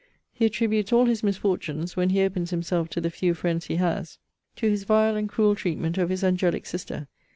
He attributes all his misfortunes, when he opens himself to the few friends he has, to his vile and cruel treatment of his angelic sister.